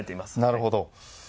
なるほど。